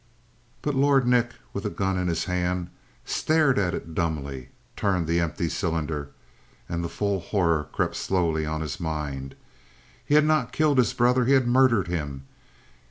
But Lord Nick, with the gun in his hand, stared at it dumbly, turned the empty cylinder. And the full horror crept slowly on his mind. He had not killed his brother, he had murdered him.